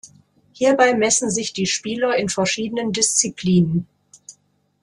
Hierbei messen sich die Spieler in verschiedenen Disziplinen.